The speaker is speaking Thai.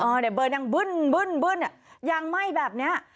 มีวาศีเบิร์นยางบื้นยางแม่นแบบนี้